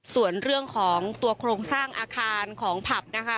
ส่วนเรื่องของตัวโครงสร้างอาคารของผับนะคะ